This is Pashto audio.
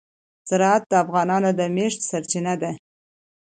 زراعت د افغانانو د معیشت سرچینه ده.